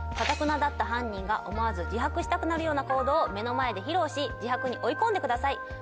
かたくなだった犯人が思わず自白したくなるような行動を目の前で披露し自白に追い込んでください。